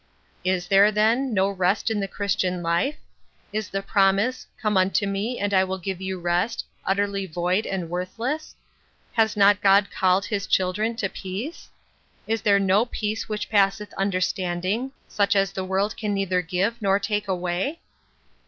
Is there, then, no rest in the Christian life ? Is the promise, " Come unto me, and I will give you rest," utterly void and worthless ? Has not God called his children to " peace ?" Is there no " peace which passeth understanding,*' such as the world can neither give nor take away